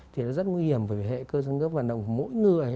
thì rất nguy hiểm vì hệ cơ sở ngớp vận động của mỗi người